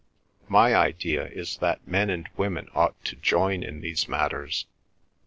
My idea is that men and women ought to join in these matters.